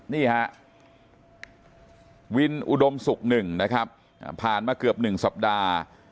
นี่ฮะวินอุดมศุกร์๑นะครับผ่านมาเกือบ๑สัปดาห์